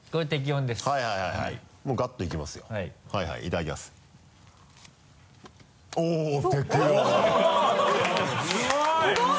すごい！